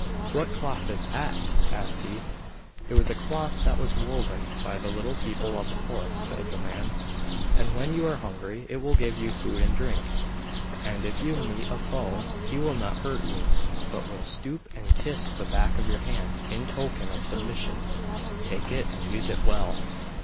'What cloth is that?' asked he. 'It is a cloth that was woven by the Little People of the forest,' said the man; 'and when you are hungry it will give you food and drink, and if you meet a foe, he will not hurt you, but will stoop and kiss the back of your hand in token of submission. Take it, and use it well.